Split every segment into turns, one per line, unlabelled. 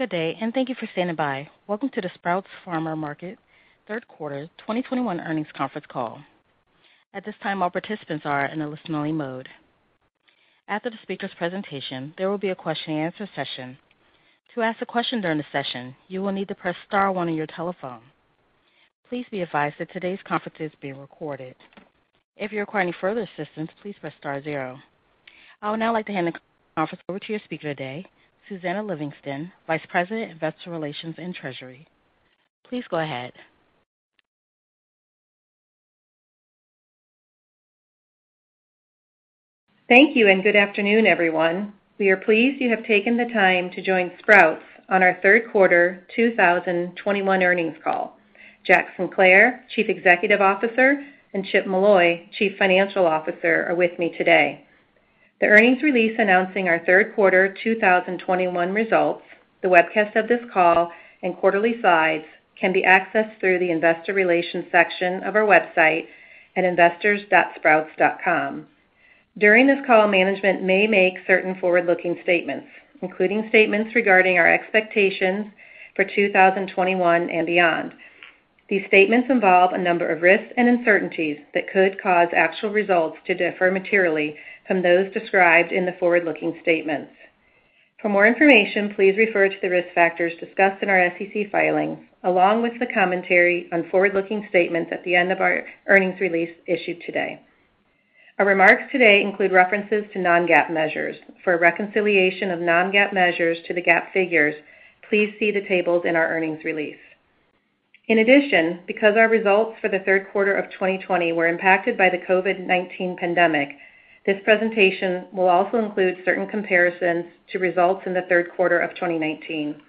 Good day, and thank you for standing by. Welcome to the Sprouts Farmers Market third quarter 2021 earnings conference call. At this time, all participants are in a listening mode. After the speaker's presentation, there will be a question and answer session. To ask a question during the session, you will need to press star one on your telephone. Please be advised that today's conference is being recorded. If you require any further assistance, please press star zero. I would now like to hand the conference over to your speaker today, Susannah Livingston, Vice President, Investor Relations and Treasury. Please go ahead.
Thank you and good afternoon, everyone. We are pleased you have taken the time to join Sprouts on our third quarter 2021 earnings call. Jack Sinclair, Chief Executive Officer, and Chip Molloy, Chief Financial Officer, are with me today. The earnings release announcing our third quarter 2021 results, the webcast of this call, and quarterly slides can be accessed through the investor relations section of our website at investors.sprouts.com. During this call, management may make certain forward-looking statements, including statements regarding our expectations for 2021 and beyond. These statements involve a number of risks and uncertainties that could cause actual results to differ materially from those described in the forward-looking statements. For more information, please refer to the risk factors discussed in our SEC filings, along with the commentary on forward-looking statements at the end of our earnings release issued today. Our remarks today include references to non-GAAP measures. For a reconciliation of non-GAAP measures to the GAAP figures, please see the tables in our earnings release. In addition, because our results for the third quarter of 2020 were impacted by the COVID-19 pandemic, this presentation will also include certain comparisons to results in the third quarter of 2019.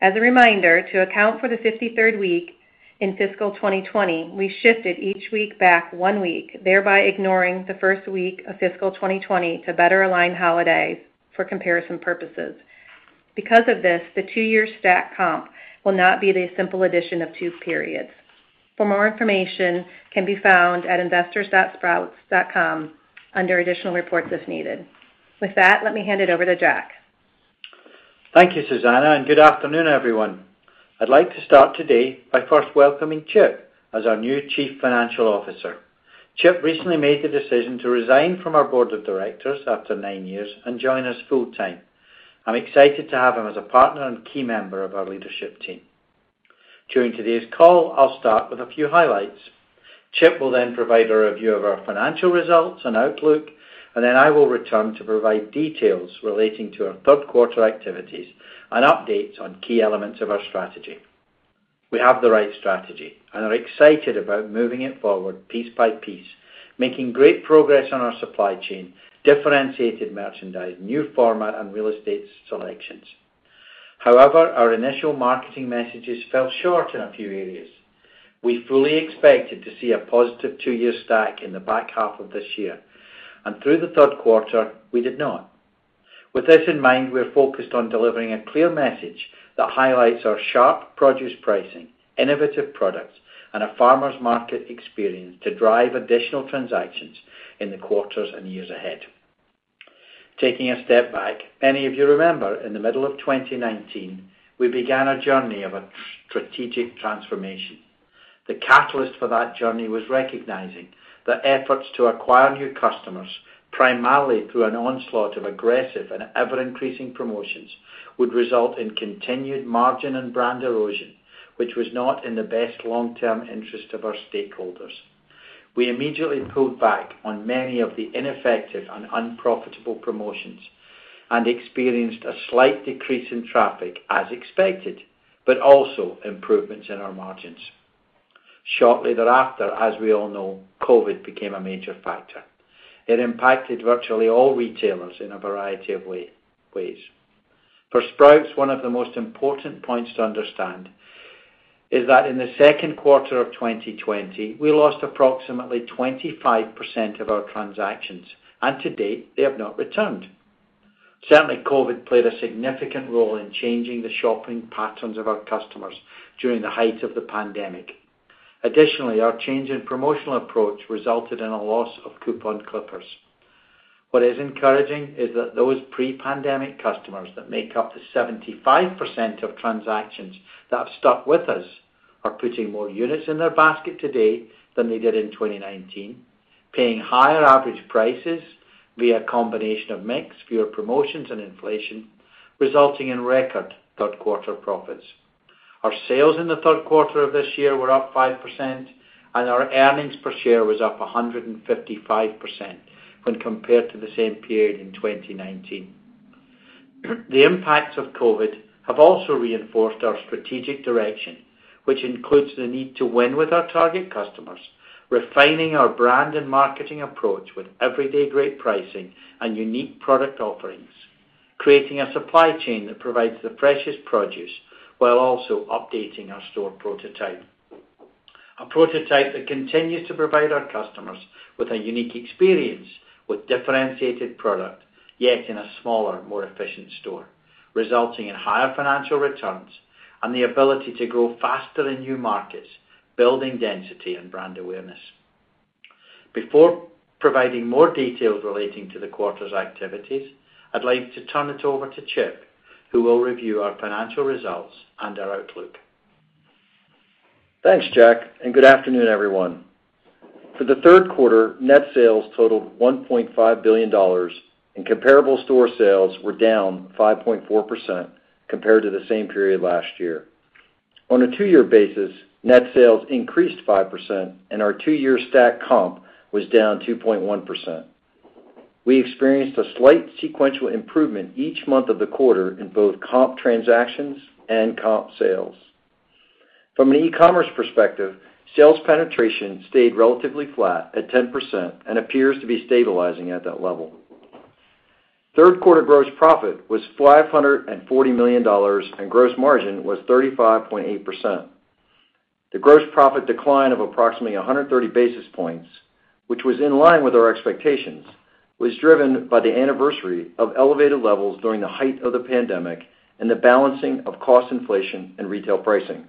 As a reminder, to account for the 53rd week in fiscal 2020, we shifted each week back one week, thereby ignoring the first week of fiscal 2020 to better align holidays for comparison purposes. Because of this, the two-year stack comp will not be the simple addition of two periods. For more information can be found at investors.sprouts.com under additional reports as needed. With that, let me hand it over to Jack.
Thank you, Susannah, and good afternoon, everyone. I'd like to start today by first welcoming Chip as our new Chief Financial Officer. Chip recently made the decision to resign from our board of directors after nine years and join us full-time. I'm excited to have him as a partner and key member of our leadership team. During today's call, I'll start with a few highlights. Chip will then provide a review of our financial results and outlook, and then I will return to provide details relating to our third quarter activities and updates on key elements of our strategy. We have the right strategy and are excited about moving it forward piece by piece, making great progress on our supply chain, differentiated merchandise, new format, and real estate selections. However, our initial marketing messages fell short in a few areas. We fully expected to see a positive two-year stack in the back half of this year, and through the third quarter, we did not. With this in mind, we're focused on delivering a clear message that highlights our sharp produce pricing, innovative products, and a farmer's market experience to drive additional transactions in the quarters and years ahead. Taking a step back, many of you remember in the middle of 2019, we began a journey of a strategic transformation. The catalyst for that journey was recognizing that efforts to acquire new customers, primarily through an onslaught of aggressive and ever-increasing promotions, would result in continued margin and brand erosion, which was not in the best long-term interest of our stakeholders. We immediately pulled back on many of the ineffective and unprofitable promotions and experienced a slight decrease in traffic as expected, but also improvements in our margins. Shortly thereafter, as we all know, COVID became a major factor. It impacted virtually all retailers in a variety of ways. For Sprouts, one of the most important points to understand is that in the second quarter of 2020, we lost approximately 25% of our transactions, and to date, they have not returned. Certainly, COVID played a significant role in changing the shopping patterns of our customers during the height of the pandemic. Additionally, our change in promotional approach resulted in a loss of coupon clippers. What is encouraging is that those pre-pandemic customers that make up to 75% of transactions that have stuck with us are putting more units in their basket today than they did in 2019, paying higher average prices via a combination of mix, fewer promotions and inflation, resulting in record third-quarter profits. Our sales in the third quarter of this year were up 5%, and our earnings per share was up 155% when compared to the same period in 2019. The impacts of COVID have also reinforced our strategic direction, which includes the need to win with our target customers, refining our brand and marketing approach with everyday great pricing and unique product offerings, creating a supply chain that provides the precious produce while also updating our store prototype. A prototype that continues to provide our customers with a unique experience with differentiated product, yet in a smaller, more efficient store, resulting in higher financial returns and the ability to grow faster in new markets, building density and brand awareness. Before providing more details relating to the quarter's activities, I'd like to turn it over to Chip, who will review our financial results and our outlook.
Thanks, Jack, and good afternoon, everyone. For the third quarter, net sales totaled $1.5 billion and comparable store sales were down 5.4% compared to the same period last year. On a two-year basis, net sales increased 5% and our two-year stack comp was down 2.1%. We experienced a slight sequential improvement each month of the quarter in both comp transactions and comp sales. From an e-commerce perspective, sales penetration stayed relatively flat at 10% and appears to be stabilizing at that level. Third quarter gross profit was $540 million, and gross margin was 35.8%. The gross profit decline of approximately 130 basis points, which was in line with our expectations, was driven by the anniversary of elevated levels during the height of the pandemic and the balancing of cost inflation and retail pricing.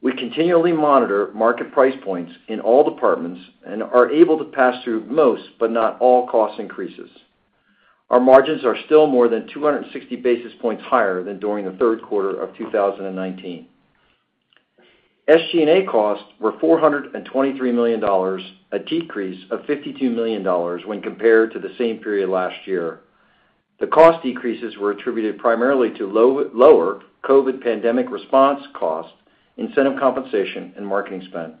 We continually monitor market price points in all departments and are able to pass through most, but not all cost increases. Our margins are still more than 260 basis points higher than during the third quarter of 2019. SG&A costs were $423 million, a decrease of $52 million when compared to the same period last year. The cost decreases were attributed primarily to lower COVID pandemic response costs, incentive compensation, and marketing spend.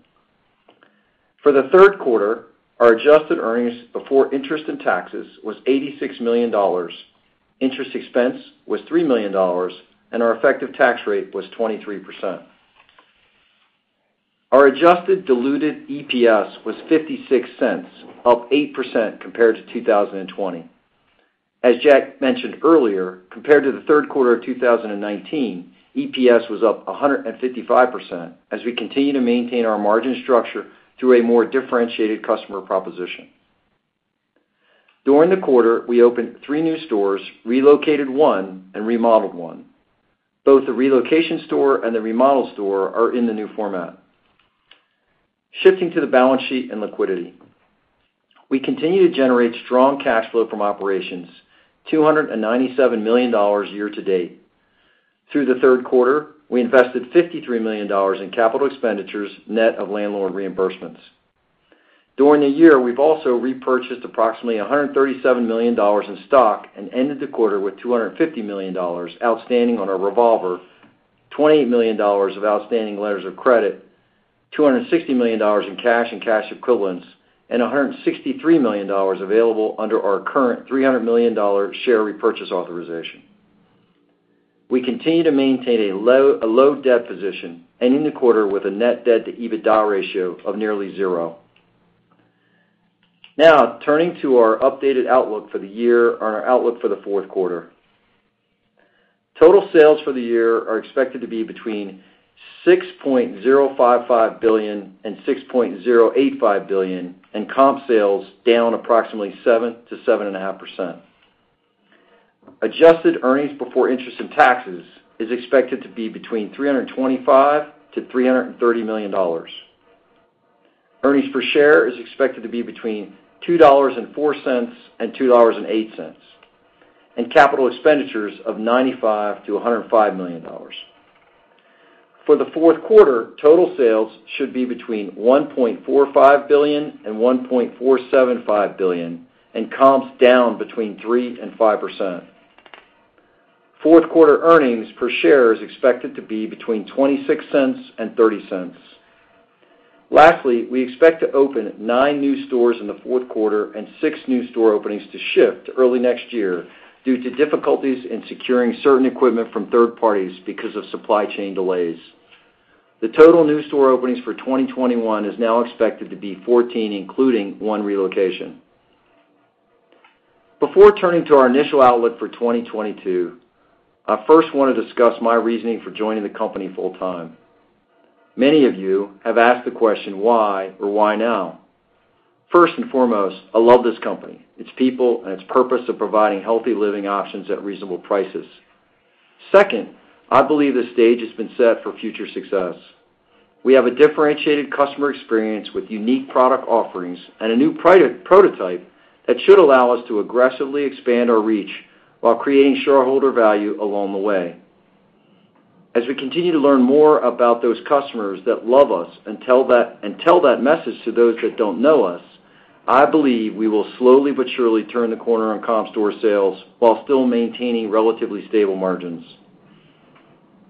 For the third quarter, our adjusted earnings before interest and taxes was $86 million, interest expense was $3 million, and our effective tax rate was 23%. Our adjusted diluted EPS was $0.56, up 8% compared to 2020. As Jack mentioned earlier, compared to the third quarter of 2019, EPS was up 155% as we continue to maintain our margin structure through a more differentiated customer proposition. During the quarter, we opened three new stores, relocated one, and remodeled one. Both the relocation store and the remodel store are in the new format. Shifting to the balance sheet and liquidity. We continue to generate strong cash flow from operations, $297 million year-to-date. Through the third quarter, we invested $53 million in capital expenditures, net of landlord reimbursements. During the year, we've also repurchased approximately $137 million in stock and ended the quarter with $250 million outstanding on our revolver, $28 million of outstanding letters of credit, $260 million in cash and cash equivalents, and $163 million available under our current $300 million share repurchase authorization. We continue to maintain a low debt position, ending the quarter with a net debt to EBITDA ratio of nearly zero. Now, turning to our updated outlook for the year and our outlook for the fourth quarter. Total sales for the year are expected to be between $6.055 billion and $6.085 billion, and comp sales down approximately 7%-7.5%. Adjusted earnings before interest and taxes is expected to be between $325-330 million. Earnings per share is expected to be between $2.04 and $2.08, and capital expenditures of $95-105 million. For the fourth quarter, total sales should be between $1.45 billion and $1.475 billion, and comps down between 3%-5%. Fourth quarter earnings per share is expected to be between $0.26 and $0.30. Lastly, we expect to open nine new stores in the fourth quarter and six new store openings to shift early next year due to difficulties in securing certain equipment from third parties because of supply chain delays. The total new store openings for 2021 is now expected to be 14, including one relocation. Before turning to our initial outlook for 2022, I first wanna discuss my reasoning for joining the company full time. Many of you have asked the question, why or why now? First and foremost, I love this company, its people, and its purpose of providing healthy living options at reasonable prices. Second, I believe the stage has been set for future success. We have a differentiated customer experience with unique product offerings and a new prototype that should allow us to aggressively expand our reach while creating shareholder value along the way. As we continue to learn more about those customers that love us and tell that, and tell that message to those that don't know us, I believe we will slowly but surely turn the corner on comp store sales while still maintaining relatively stable margins.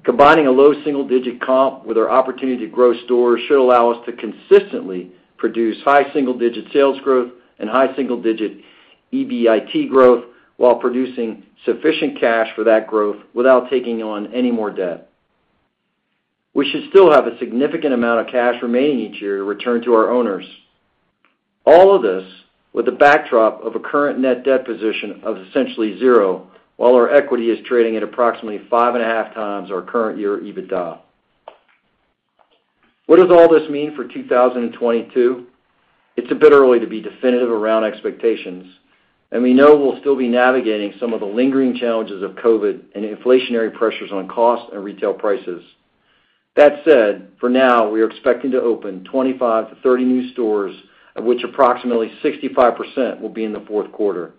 Combining a low single-digit comp with our opportunity to grow stores should allow us to consistently produce high single-digit sales growth and high single-digit EBIT growth while producing sufficient cash for that growth without taking on any more debt. We should still have a significant amount of cash remaining each year to return to our owners. All of this with the backdrop of a current net debt position of essentially zero, while our equity is trading at approximately 5.5x our current year EBITDA. What does all this mean for 2022? It's a bit early to be definitive around expectations, and we know we'll still be navigating some of the lingering challenges of COVID and inflationary pressures on cost and retail prices. That said, for now, we are expecting to open 25-30 new stores, of which approximately 65% will be in the fourth quarter.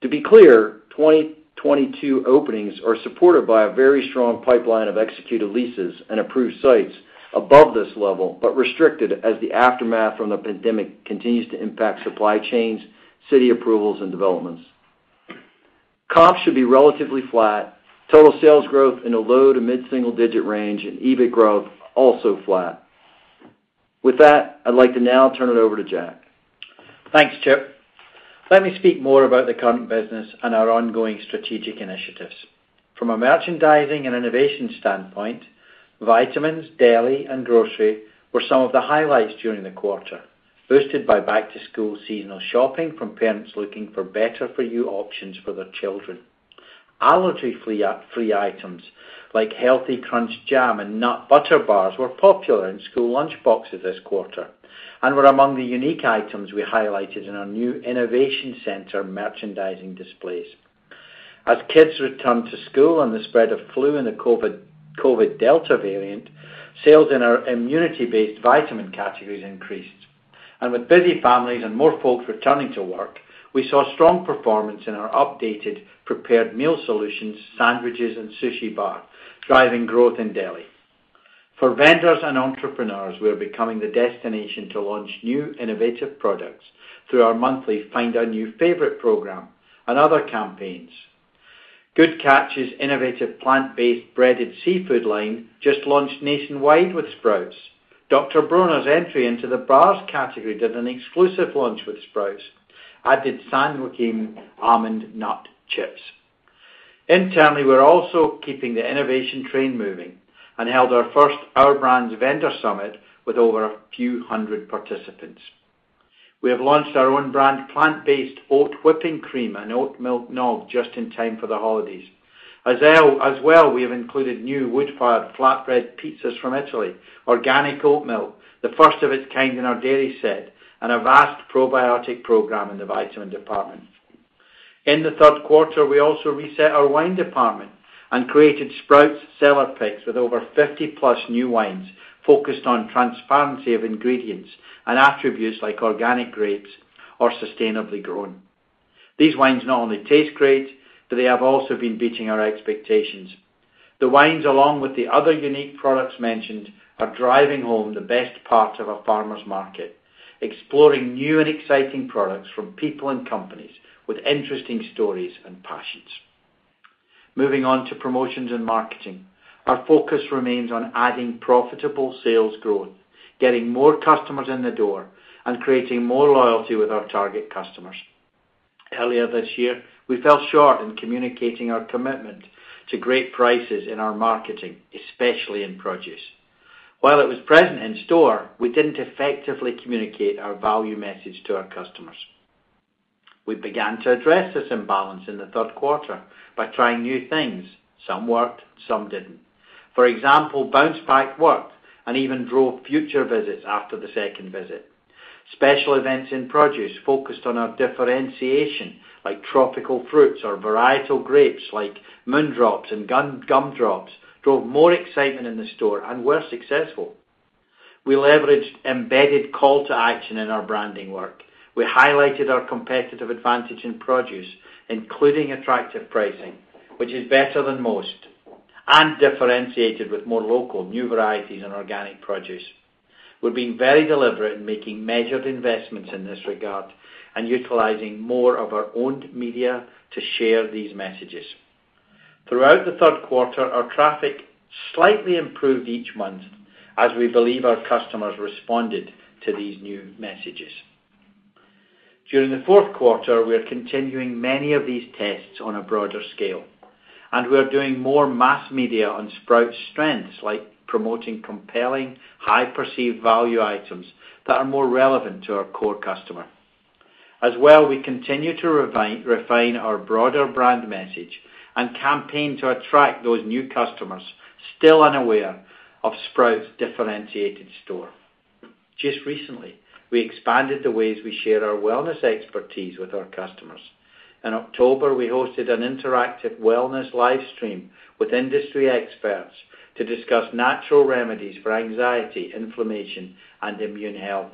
To be clear, 2022 openings are supported by a very strong pipeline of executed leases and approved sites above this level, but restricted as the aftermath from the pandemic continues to impact supply chains, city approvals, and developments. Comp should be relatively flat. Total sales growth in a low to mid-single digit range and EBIT growth also flat. With that, I'd like to now turn it over to Jack.
Thanks, Chip. Let me speak more about the current business and our ongoing strategic initiatives. From a merchandising and innovation standpoint, vitamins, deli, and grocery were some of the highlights during the quarter, boosted by back-to-school seasonal shopping from parents looking for better for you options for their children. Allergy-free items like Healthy Crunch jam and nut butter bars were popular in school lunchboxes this quarter, and were among the unique items we highlighted in our new innovation center merchandising displays. As kids return to school and the spread of flu and the COVID-19 Delta variant, sales in our immunity-based vitamin categories increased. With busy families and more folks returning to work, we saw strong performance in our updated prepared meal solutions, sandwiches, and sushi bar, driving growth in deli. For vendors and entrepreneurs, we are becoming the destination to launch new innovative products through our monthly Find a New Favorite program and other campaigns. Good Catch's innovative plant-based breaded seafood line just launched nationwide with Sprouts. Dr. Bronner's entry into the bars category did an exclusive launch with Sprouts, added San Joaquin almond nut chips. Internally, we're also keeping the innovation train moving and held our first Our Brands Vendor Summit with over a few hundred participants. We have launched our own brand plant-based oat whipping cream and oatmilk nog just in time for the holidays. As well, we have included new wood-fired flatbread pizzas from Italy, organic oat milk, the first of its kind in our dairy set, and a vast probiotic program in the vitamin department. In the third quarter, we also reset our wine department and created Sprouts Cellar Picks with over 50+ new wines focused on transparency of ingredients and attributes like organic grapes or sustainably grown. These wines not only taste great, but they have also been beating our expectations. The wines, along with the other unique products mentioned, are driving home the best parts of a farmer's market, exploring new and exciting products from people and companies with interesting stories and passions. Moving on to promotions and marketing. Our focus remains on adding profitable sales growth, getting more customers in the door, and creating more loyalty with our target customers. Earlier this year, we fell short in communicating our commitment to great prices in our marketing, especially in produce. While it was present in store, we didn't effectively communicate our value message to our customers. We began to address this imbalance in the third quarter by trying new things. Some worked, some didn't. For example, bounce back worked and even drove future visits after the second visit. Special events in produce focused on our differentiation, like tropical fruits or varietal grapes like Moon Drops and Gum Drops drove more excitement in the store and were successful. We leveraged embedded call to action in our branding work. We highlighted our competitive advantage in produce, including attractive pricing, which is better than most, and differentiated with more local new varieties and organic produce. We're being very deliberate in making measured investments in this regard and utilizing more of our owned media to share these messages. Throughout the third quarter, our traffic slightly improved each month as we believe our customers responded to these new messages. During the fourth quarter, we are continuing many of these tests on a broader scale, and we are doing more mass media on Sprouts strengths, like promoting compelling, high perceived value items that are more relevant to our core customer. As well, we continue to refine our broader brand message and campaign to attract those new customers still unaware of Sprouts' differentiated store. Just recently, we expanded the ways we share our wellness expertise with our customers. In October, we hosted an interactive wellness live stream with industry experts to discuss natural remedies for anxiety, inflammation, and immune health.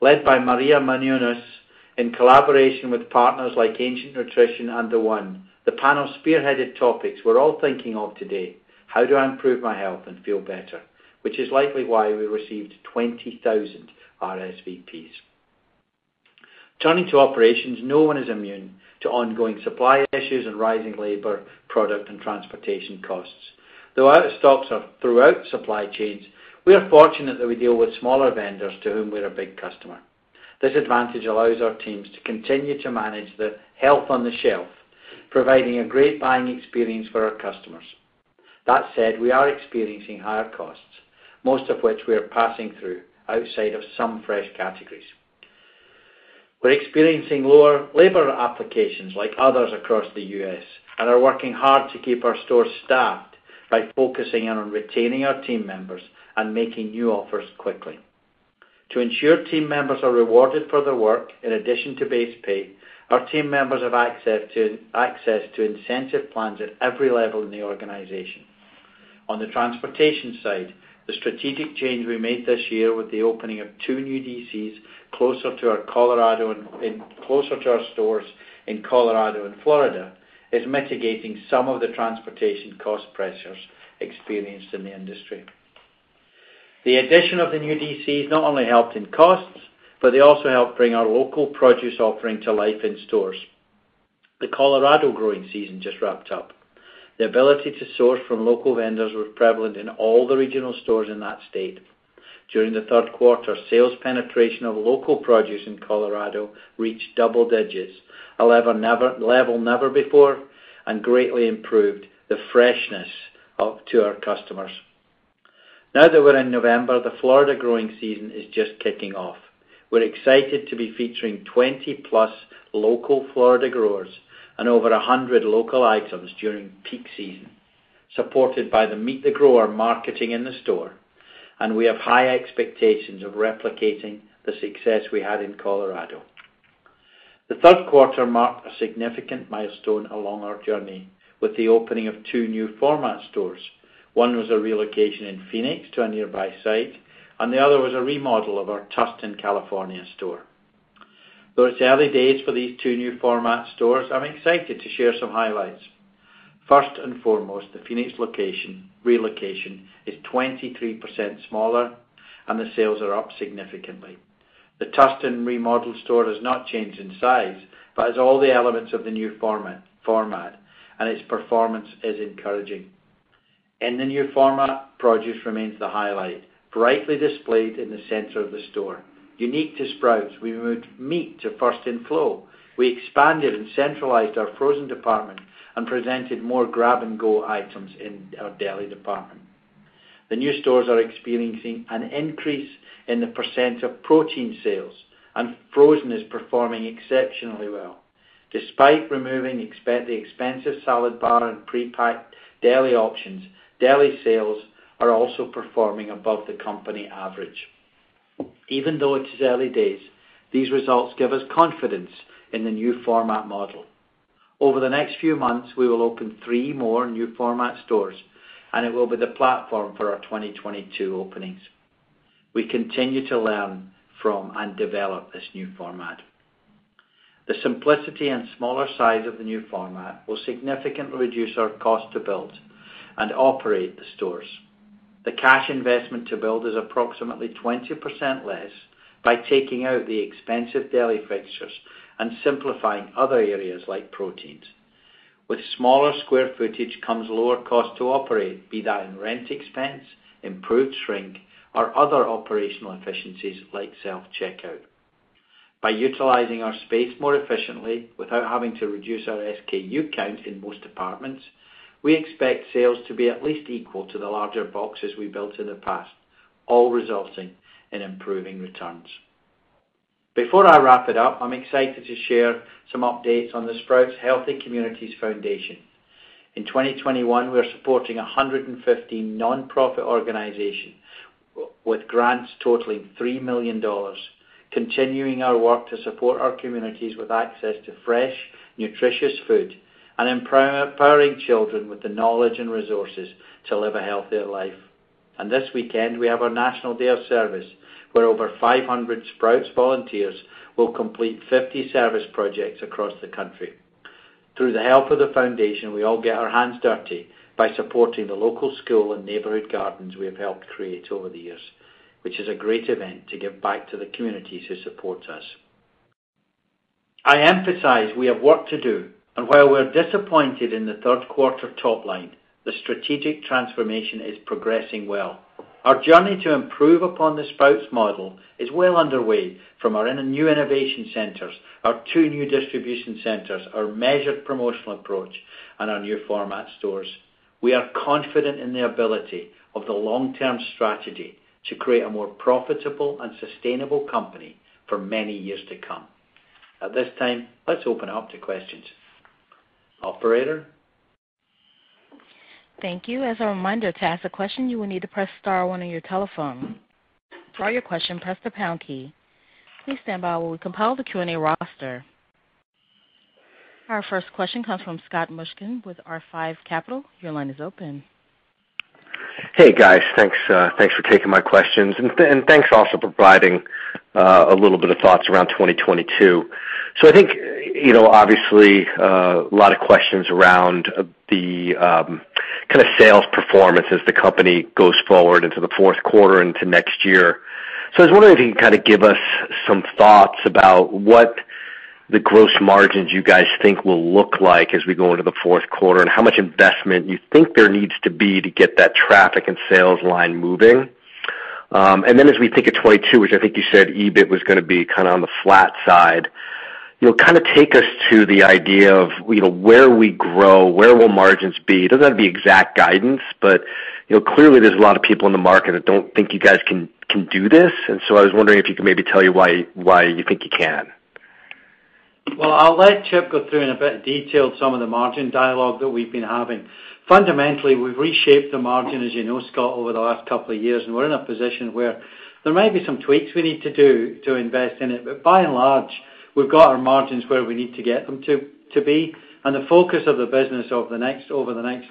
Led by Maria Menounos, in collaboration with partners like Ancient Nutrition and TheraOne, the panel spearheaded topics we're all thinking of today, how do I improve my health and feel better? Which is likely why we received 20,000 RSVPs. Turning to operations, no one is immune to ongoing supply issues and rising labor, product, and transportation costs. Though out of stocks are throughout supply chains, we are fortunate that we deal with smaller vendors to whom we're a big customer. This advantage allows our teams to continue to manage the health on the shelf, providing a great buying experience for our customers. That said, we are experiencing higher costs, most of which we are passing through outside of some fresh categories. We're experiencing lower labor applications like others across the U.S., and are working hard to keep our stores staffed by focusing in on retaining our team members and making new offers quickly. To ensure team members are rewarded for their work in addition to base pay, our team members have access to incentive plans at every level in the organization. On the transportation side, the strategic change we made this year with the opening of two new DCs closer to our stores in Colorado and Florida is mitigating some of the transportation cost pressures experienced in the industry. The addition of the new DCs not only helped in costs, but they also helped bring our local produce offering to life in stores. The Colorado growing season just wrapped up. The ability to source from local vendors was prevalent in all the regional stores in that state. During the third quarter, sales penetration of local produce in Colorado reached double digits, a level never before, and greatly improved the freshness to our customers. Now that we're in November, the Florida growing season is just kicking off. We're excited to be featuring 20-plus local Florida growers and over 100 local items during peak season, supported by the Meet the Grower marketing in the store, and we have high expectations of replicating the success we had in Colorado. The third quarter marked a significant milestone along our journey with the opening of two new format stores. One was a relocation in Phoenix to a nearby site, and the other was a remodel of our Tustin, California store. Though it's early days for these two new format stores, I'm excited to share some highlights. First and foremost, the Phoenix location, relocation, is 23% smaller, and the sales are up significantly. The Tustin remodeled store has not changed in size, but has all the elements of the new format, and its performance is encouraging. In the new format, produce remains the highlight, brightly displayed in the center of the store. Unique to Sprouts, we moved meat to first in flow. We expanded and centralized our frozen department and presented more grab-and-go items in our deli department. The new stores are experiencing an increase in the % of protein sales, and frozen is performing exceptionally well. Despite removing the expensive salad bar and prepacked deli options, deli sales are also performing above the company average. Even though it is early days, these results give us confidence in the new format model. Over the next few months, we will open three more new format stores, and it will be the platform for our 2022 openings. We continue to learn from and develop this new format. The simplicity and smaller size of the new format will significantly reduce our cost to build and operate the stores. The cash investment to build is approximately 20% less by taking out the expensive deli fixtures and simplifying other areas like proteins. With smaller square footage comes lower cost to operate, be that in rent expense, improved shrink, or other operational efficiencies like self-checkout. By utilizing our space more efficiently without having to reduce our SKU count in most departments, we expect sales to be at least equal to the larger boxes we built in the past, all resulting in improving returns. Before I wrap it up, I'm excited to share some updates on the Sprouts Healthy Communities Foundation. In 2021, we are supporting 115 nonprofit organizations with grants totaling $3 million, continuing our work to support our communities with access to fresh, nutritious food, and empowering children with the knowledge and resources to live a healthier life. This weekend, we have our National Day of Service, where over 500 Sprouts volunteers will complete 50 service projects across the country. Through the help of the foundation, we all get our hands dirty by supporting the local school and neighborhood gardens we have helped create over the years, which is a great event to give back to the communities who support us. I emphasize we have work to do, and while we're disappointed in the third quarter top line, the strategic transformation is progressing well. Our journey to improve upon the Sprouts model is well underway from our new innovation centers, our two new distribution centers, our measured promotional approach, and our new format stores. We are confident in the ability of the long-term strategy to create a more profitable and sustainable company for many years to come. At this time, let's open up to questions. Operator?
Thank you. As a reminder, to ask a question, you will need to press star one on your telephone. For all your questions, press the pound key. Please stand by while we compile the Q&A roster. Our first question comes from Scott Mushkin with R5 Capital. Your line is open.
Hey, guys. Thanks for taking my questions, and thanks also for providing a little bit of thoughts around 2022. I think, you know, obviously, a lot of questions around the kinda sales performance as the company goes forward into the fourth quarter into next year. I was wondering if you can kinda give us some thoughts about what the gross margins you guys think will look like as we go into the fourth quarter, and how much investment you think there needs to be to get that traffic and sales line moving. As we think of 2022, which I think you said EBIT was gonna be kinda on the flat side, you'll kinda take us to the idea of, you know, where we grow, where will margins be? It doesn't have to be exact guidance, but, you know, clearly there's a lot of people in the market that don't think you guys can do this. I was wondering if you could maybe tell me why you think you can.
Well, I'll let Chip go through in a bit of detail some of the margin dialogue that we've been having. Fundamentally, we've reshaped the margin, as you know, Scott, over the last couple of years, and we're in a position where there may be some tweaks we need to do to invest in it, but by and large, we've got our margins where we need to get them to be. The focus of the business over the next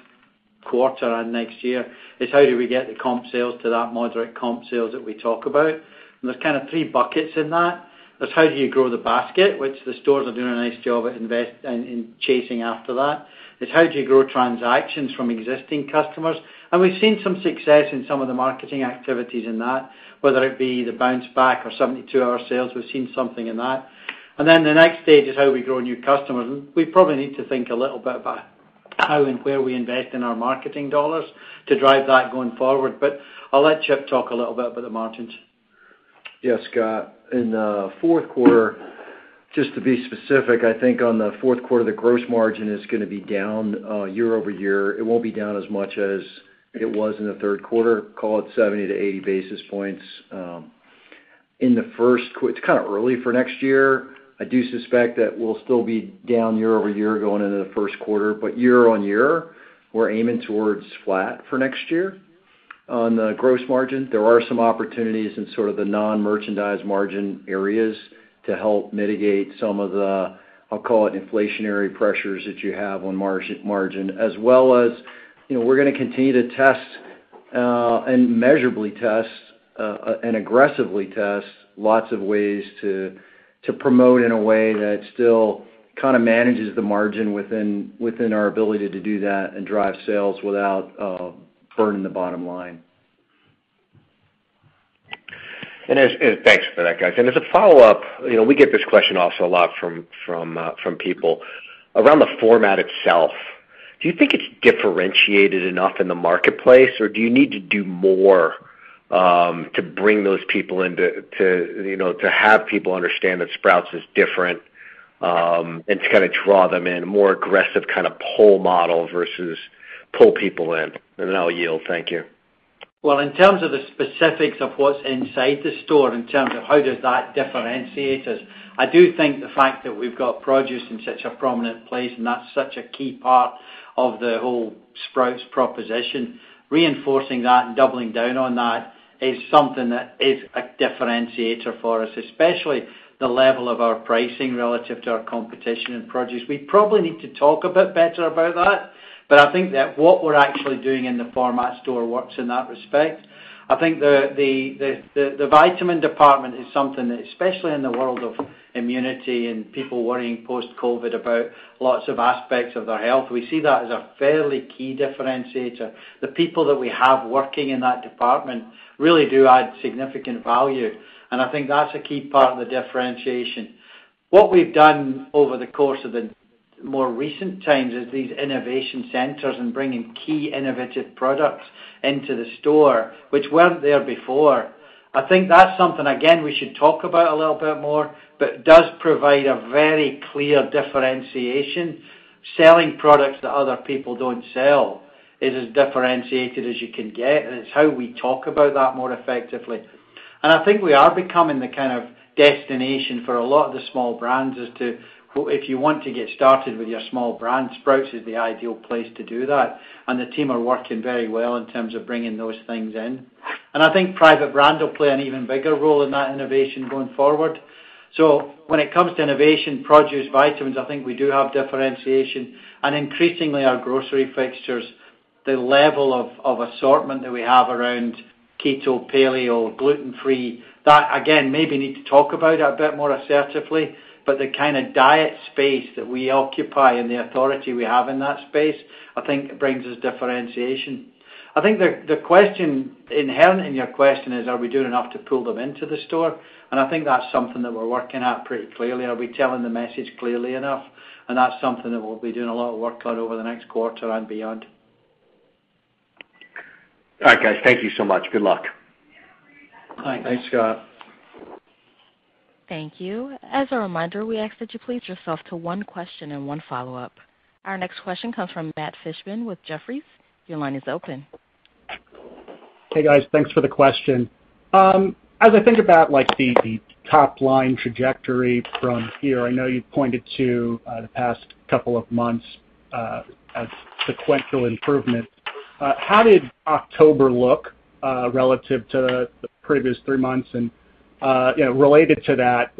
quarter and next year is how do we get the comp sales to that moderate comp sales that we talk about. There's kind of three buckets in that. There's how do you grow the basket, which the stores are doing a nice job at investing in chasing after that. There's how do you grow transactions from existing customers, and we've seen some success in some of the marketing activities in that, whether it be the bounce back or 72-hour sales, we've seen something in that. Then the next stage is how we grow new customers. We probably need to think a little bit about how and where we invest in our marketing dollars to drive that going forward. I'll let Chip talk a little bit about the margins.
Yeah, Scott. In the fourth quarter, just to be specific, I think on the fourth quarter, the gross margin is gonna be down year-over-year. It won't be down as much as it was in the third quarter, call it 70-80 basis points. It's kinda early for next year. I do suspect that we'll still be down year-over-year going into the first quarter, but year-on-year, we're aiming towards flat for next year on the gross margin. There are some opportunities in sort of the non-merchandise margin areas to help mitigate some of the, I'll call it inflationary pressures that you have on margin. As well as, you know, we're gonna continue to test and measurably test and aggressively test lots of ways to promote in a way that still kinda manages the margin within our ability to do that and drive sales without burning the bottom line.
Thanks for that, guys. As a follow-up, you know, we get this question also a lot from people. Around the format itself, do you think it's differentiated enough in the marketplace, or do you need to do more to bring those people in, you know, to have people understand that Sprouts is different, and to kinda draw them in, a more aggressive kinda pull model versus pull people in? I'll yield. Thank you.
Well, in terms of the specifics of what's inside the store, in terms of how does that differentiate us, I do think the fact that we've got produce in such a prominent place, and that's such a key part of the whole Sprouts proposition, reinforcing that and doubling down on that is something that is a differentiator for us, especially the level of our pricing relative to our competition in produce. We probably need to talk a bit better about that, but I think that what we're actually doing in the format store works in that respect. I think the vitamin department is something, especially in the world of immunity and people worrying post-COVID about lots of aspects of their health, we see that as a fairly key differentiator. The people that we have working in that department really do add significant value, and I think that's a key part of the differentiation. What we've done over the course of the more recent times is these innovation centers and bringing key innovative products into the store, which weren't there before. I think that's something, again, we should talk about a little bit more, but does provide a very clear differentiation. Selling products that other people don't sell is as differentiated as you can get, and it's how we talk about that more effectively. I think we are becoming the kind of destination for a lot of the small brands as to if you want to get started with your small brand, Sprouts is the ideal place to do that, and the team are working very well in terms of bringing those things in. I think private brand will play an even bigger role in that innovation going forward. When it comes to innovation, produce, vitamins, I think we do have differentiation. Increasingly, our grocery fixtures, the level of assortment that we have around keto, paleo, gluten-free, that again, maybe need to talk about a bit more assertively, but the kinda diet space that we occupy and the authority we have in that space, I think brings us differentiation. I think the question inherent in your question is, are we doing enough to pull them into the store? I think that's something that we're working at pretty clearly. Are we telling the message clearly enough? That's something that we'll be doing a lot of work on over the next quarter and beyond.
All right, guys. Thank you so much. Good luck.
Thanks.
Thanks, Scott.
Thank you. As a reminder, we ask that you please limit yourself to one question and one follow-up. Our next question comes from Matt Fishbein with Jefferies. Your line is open.
Hey, guys. Thanks for the question. As I think about, like, the top-line trajectory from here, I know you've pointed to the past couple of months as sequential improvement. How did October look relative to the previous three months? You know, related to that,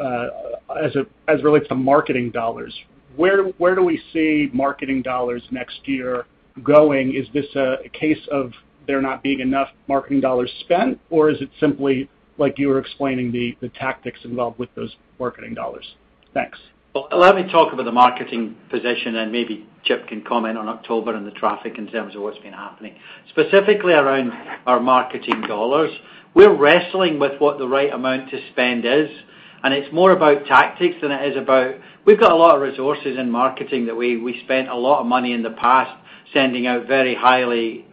as related to marketing dollars, where do we see marketing dollars next year going? Is this a case of there not being enough marketing dollars spent, or is it simply like you were explaining the tactics involved with those marketing dollars? Thanks.
Well, let me talk about the marketing position, and maybe Chip can comment on October and the traffic in terms of what's been happening. Specifically around our marketing dollars, we're wrestling with what the right amount to spend is, and it's more about tactics than it is about. We've got a lot of resources in marketing that we spent a lot of money in the past sending out very highly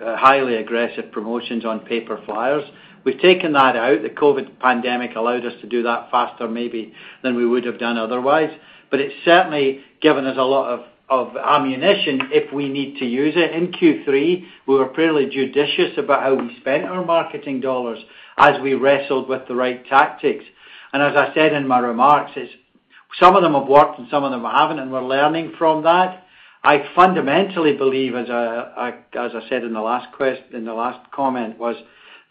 aggressive promotions on paper flyers. We've taken that out. The COVID pandemic allowed us to do that faster maybe than we would have done otherwise. It's certainly given us a lot of ammunition if we need to use it. In Q3, we were fairly judicious about how we spent our marketing dollars as we wrestled with the right tactics. As I said in my remarks, it's. Some of them have worked and some of them haven't, and we're learning from that. I fundamentally believe, as I said in the last comment, was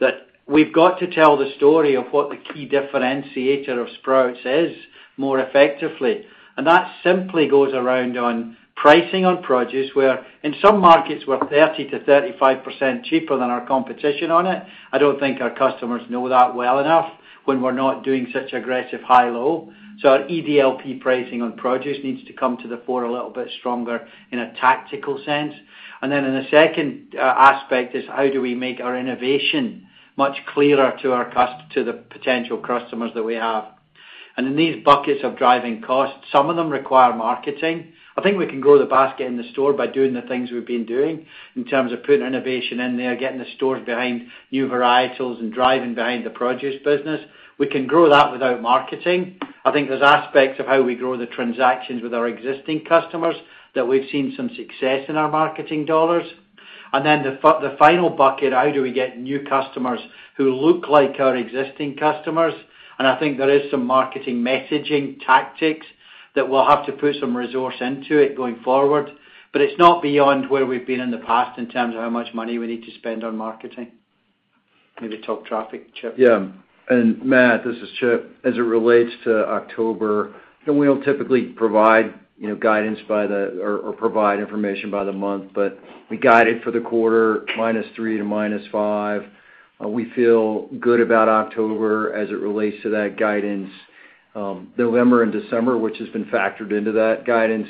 that we've got to tell the story of what the key differentiator of Sprouts is more effectively. That simply goes around on pricing on produce, where in some markets, we're 30%-35% cheaper than our competition on it. I don't think our customers know that well enough when we're not doing such aggressive high-low. Our EDLP pricing on produce needs to come to the fore a little bit stronger in a tactical sense. Then in the second aspect is how do we make our innovation much clearer to the potential customers that we have? In these buckets of driving costs, some of them require marketing. I think we can grow the basket in the store by doing the things we've been doing in terms of putting innovation in there, getting the stores behind new varietals, and driving behind the produce business. We can grow that without marketing. I think there's aspects of how we grow the transactions with our existing customers that we've seen some success in our marketing dollars. Then the final bucket, how do we get new customers who look like our existing customers? I think there is some marketing messaging tactics that we'll have to put some resource into it going forward. It's not beyond where we've been in the past in terms of how much money we need to spend on marketing. Maybe talk traffic, Chip.
Yeah. Matt, this is Chip. As it relates to October, you know, we don't typically provide guidance by the month, but we guide it for the quarter, minus three to minus five. We feel good about October as it relates to that guidance. November and December, which has been factored into that guidance,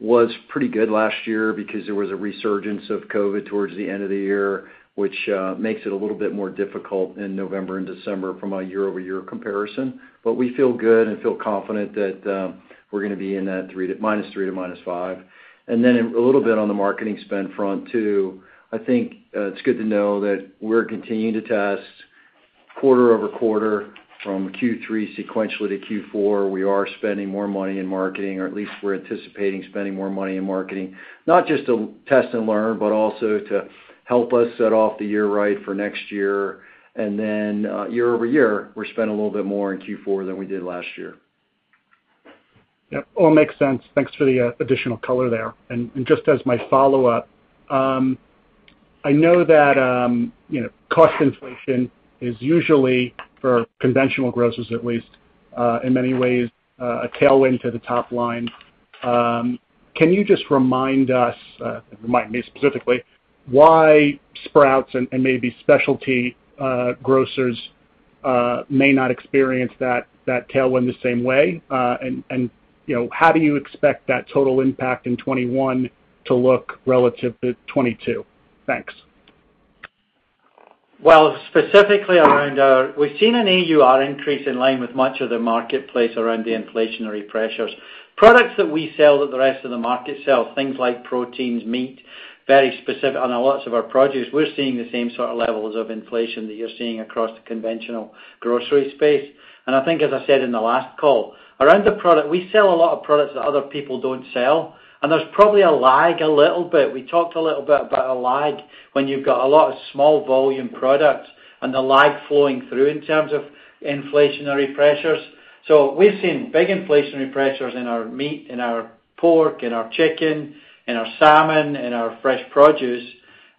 was pretty good last year because there was a resurgence of COVID towards the end of the year, which makes it a little bit more difficult in November and December from a year-over-year comparison. We feel good and feel confident that we're gonna be in that minus three to minus five. Then a little bit on the marketing spend front too. I think, it's good to know that we're continuing to test quarter over quarter from Q3 sequentially to Q4. We are spending more money in marketing, or at least we're anticipating spending more money in marketing, not just to test and learn, but also to help us set off the year right for next year. Then, year-over-year, we spend a little bit more in Q4 than we did last year.
Yep. All makes sense. Thanks for the additional color there. Just as my follow-up, I know that you know, cost inflation is usually for conventional grocers at least in many ways a tailwind to the top line. Can you just remind me specifically why Sprouts and maybe specialty grocers may not experience that tailwind the same way? You know, how do you expect that total impact in 2021 to look relative to 2022? Thanks.
Well, specifically we've seen an AUR increase in line with much of the marketplace around the inflationary pressures. Products that we sell that the rest of the market sell, things like proteins, meat, very specific, and lots of our produce, we're seeing the same sort of levels of inflation that you're seeing across the conventional grocery space. I think as I said in the last call, around the product, we sell a lot of products that other people don't sell, and there's probably a lag a little bit. We talked a little bit about a lag when you've got a lot of small volume products and the lag flowing through in terms of inflationary pressures. We've seen big inflationary pressures in our meat, in our pork, in our chicken, in our salmon, in our fresh produce,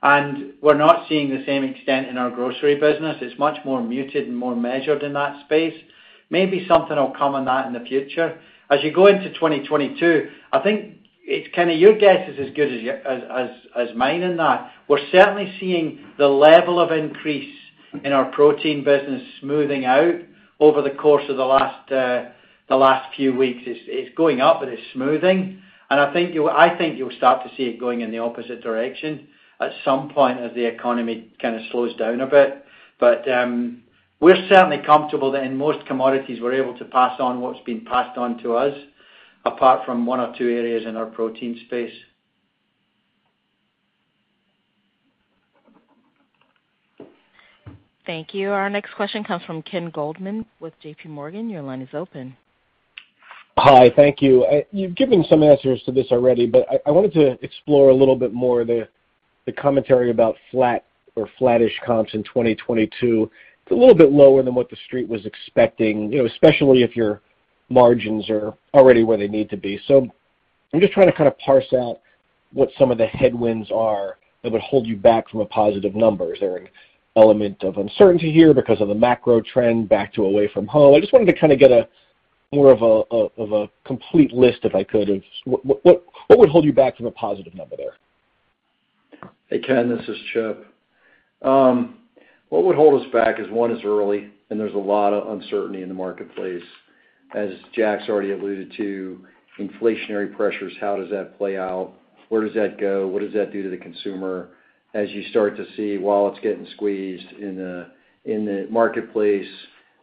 and we're not seeing the same extent in our grocery business. It's much more muted and more measured in that space. Maybe something will come on that in the future. As you go into 2022, I think it's kind of your guess is as good as mine in that. We're certainly seeing the level of increase in our protein business smoothing out over the course of the last few weeks. It's going up, but it's smoothing. I think you'll start to see it going in the opposite direction at some point as the economy kind of slows down a bit. We're certainly comfortable that in most commodities, we're able to pass on what's been passed on to us, apart from one or two areas in our protein space.
Thank you. Our next question comes from Ken Goldman with J.P. Morgan. Your line is open.
Hi. Thank you. You've given some answers to this already, but I wanted to explore a little bit more the commentary about flat or flattish comps in 2022. It's a little bit lower than what the street was expecting, you know, especially if your margins are already where they need to be. I'm just trying to kind of parse out what some of the headwinds are that would hold you back from a positive number. Is there an element of uncertainty here because of the macro trend back to away from home? I just wanted to kind of get more of a complete list, if I could, of what would hold you back from a positive number there?
Hey, Ken, this is Chip. What would hold us back is, one, it's early, and there's a lot of uncertainty in the marketplace. As Jack's already alluded to, inflationary pressures, how does that play out? Where does that go? What does that do to the consumer? As you start to see wallets getting squeezed in the marketplace,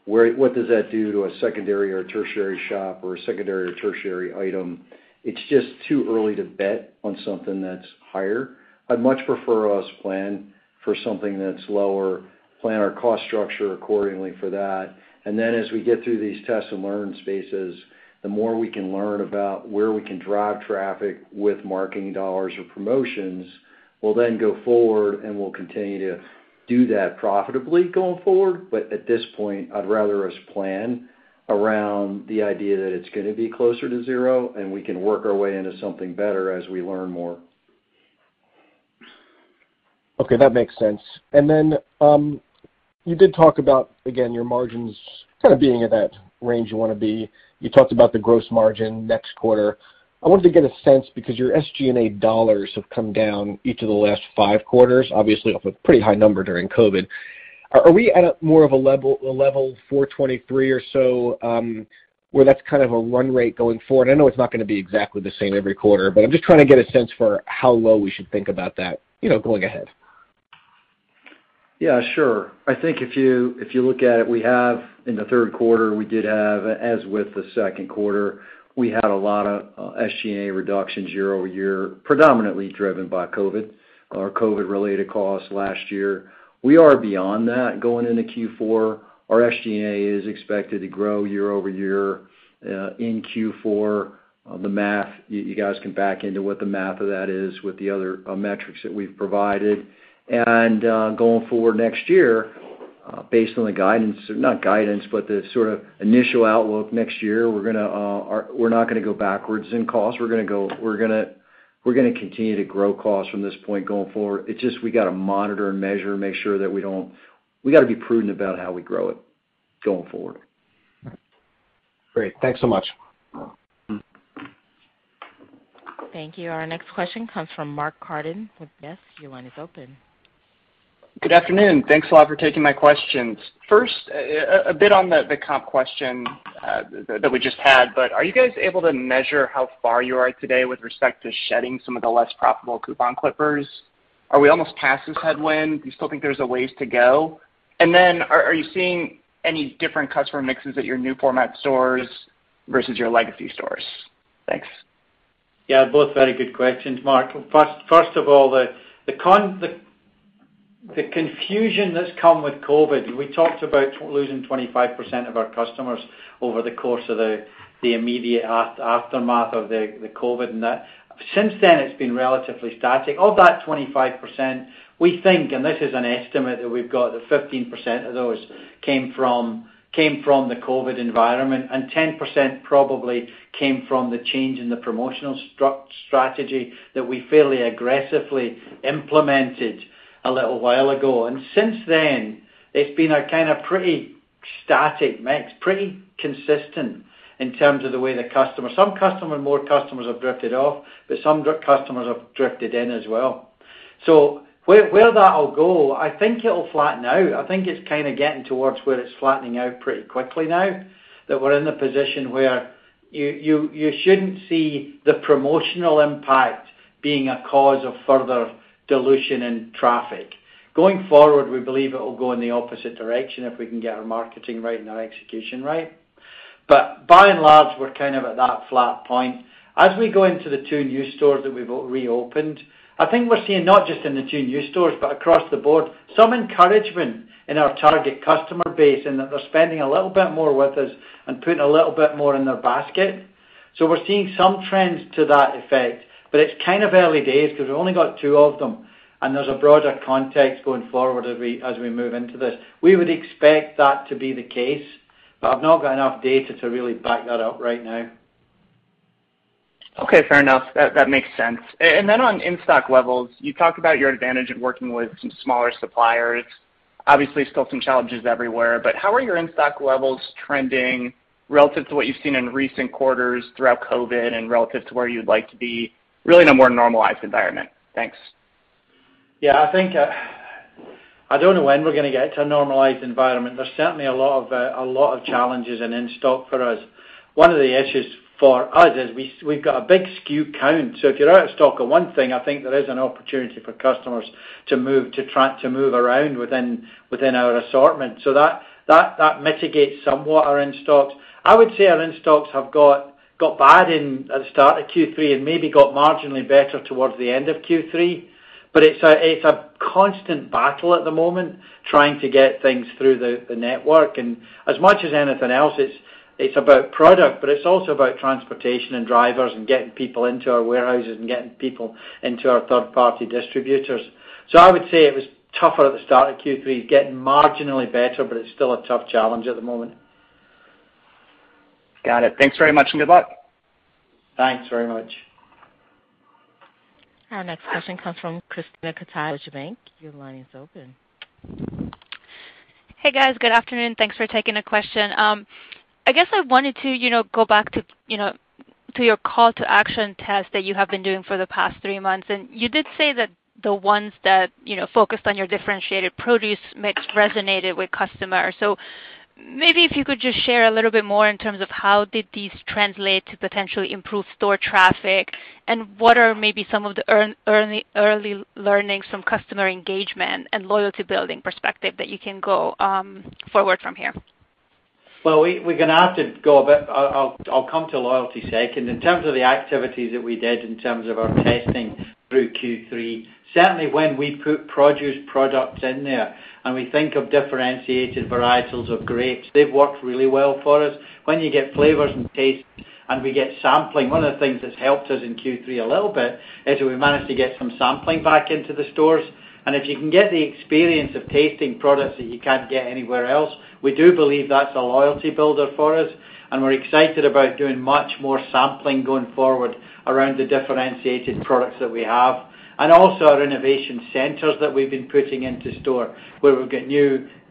what does that do to a secondary or tertiary shop or a secondary or tertiary item? It's just too early to bet on something that's higher. I'd much prefer us plan for something that's lower, plan our cost structure accordingly for that. As we get through these test and learn spaces, the more we can learn about where we can drive traffic with marketing dollars or promotions, we'll then go forward, and we'll continue to do that profitably going forward. At this point, I'd rather us plan around the idea that it's gonna be closer to zero, and we can work our way into something better as we learn more.
Okay, that makes sense. You did talk about, again, your margins kind of being at that range you wanna be. You talked about the gross margin next quarter. I wanted to get a sense because your SG&A dollars have come down each of the last five quarters, obviously, off a pretty high number during COVID. Are we at a more of a level $423 or so, where that's kind of a run rate going forward? I know it's not gonna be exactly the same every quarter, but I'm just trying to get a sense for how low we should think about that, you know, going ahead.
Yeah, sure. I think if you look at it, we have in the third quarter, we did have, as with the second quarter, we had a lot of SG&A reductions year-over-year, predominantly driven by COVID or COVID-related costs last year. We are beyond that going into Q4. Our SG&A is expected to grow year-over-year in Q4. The math, you guys can back into what the math of that is with the other metrics that we've provided. Going forward next year, based on the guidance, not guidance, but the sort of initial outlook next year, we're gonna or we're not gonna go backwards in costs. We're gonna continue to grow costs from this point going forward. It's just, we gotta monitor and measure, make sure that we don't. We gotta be prudent about how we grow it going forward.
Great. Thanks so much.
Thank you. Our next question comes from Mark Carden with UBS. Your line is open.
Good afternoon. Thanks a lot for taking my questions. First, a bit on the comp question that we just had, but are you guys able to measure how far you are today with respect to shedding some of the less profitable coupon clippers? Are we almost past this headwind? Do you still think there's a ways to go? Are you seeing any different customer mixes at your new format stores versus your legacy stores? Thanks.
Yeah, both very good questions, Mark. First of all, the confusion that's come with COVID, we talked about losing 25% of our customers over the course of the immediate aftermath of the COVID and that. Since then, it's been relatively static. Of that 25%, we think, and this is an estimate that we've got, that 15% of those came from the COVID environment, and 10% probably came from the change in the promotional strategy that we fairly aggressively implemented a little while ago. Since then, it's been a kinda pretty static mix, pretty consistent in terms of the way the customers, some more customers have drifted off, but some customers have drifted in as well. Where that'll go, I think it'll flatten out. I think it's kinda getting towards where it's flattening out pretty quickly now, that we're in the position where you shouldn't see the promotional impact being a cause of further dilution in traffic. Going forward, we believe it will go in the opposite direction if we can get our marketing right and our execution right. By and large, we're kind of at that flat point. As we go into the two new stores that we've reopened, I think we're seeing, not just in the two new stores, but across the board, some encouragement in our target customer base and that they're spending a little bit more with us and putting a little bit more in their basket. We're seeing some trends to that effect, but it's kind of early days because we've only got two of them, and there's a broader context going forward as we move into this. We would expect that to be the case, but I've not got enough data to really back that up right now.
Okay, fair enough. That makes sense. On in-stock levels, you talked about your advantage of working with some smaller suppliers. Obviously, still some challenges everywhere, but how are your in-stock levels trending relative to what you've seen in recent quarters throughout COVID and relative to where you'd like to be really in a more normalized environment? Thanks.
Yeah, I think I don't know when we're gonna get to a normalized environment. There's certainly a lot of challenges in-stock for us. One of the issues for us is we've got a big SKU count. So if you're out of stock of one thing, I think there is an opportunity for customers to move around within our assortment. So that mitigates somewhat our in-stocks. I would say our in-stocks have got bad at the start of Q3 and maybe got marginally better towards the end of Q3. But it's a constant battle at the moment trying to get things through the network. As much as anything else, it's about product, but it's also about transportation and drivers and getting people into our warehouses and getting people into our third-party distributors. I would say it was tougher at the start of Q3. It's getting marginally better, but it's still a tough challenge at the moment.
Got it. Thanks very much, and good luck.
Thanks very much.
Our next question comes from Krisztina Katai with Deutsche Bank. Your line is open.
Hey, guys. Good afternoon. Thanks for taking the question. I guess I wanted to, you know, go back to, you know, to your call to action test that you have been doing for the past three months. You did say that the ones that, you know, focused on your differentiated produce mix resonated with customers. Maybe if you could just share a little bit more in terms of how did these translate to potentially improve store traffic, and what are maybe some of the early learnings from customer engagement and loyalty-building perspective that you can go forward from here?
Well, we're gonna have to go a bit. I'll come to loyalty second. In terms of the activities that we did in terms of our testing through Q3, certainly when we put produce products in there and we think of differentiated varietals of grapes, they've worked really well for us. When you get flavors and tastes, and we get sampling, one of the things that's helped us in Q3 a little bit is we managed to get some sampling back into the stores. If you can get the experience of tasting products that you can't get anywhere else, we do believe that's a loyalty builder for us, and we're excited about doing much more sampling going forward around the differentiated products that we have. Also our innovation centers that we've been putting into store, where we've got